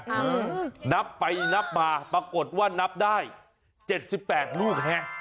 ต่อนับไปต่อนับมาปรากฏว่านับได้แบบเจ็ดสิบแปดลูกเนี่ย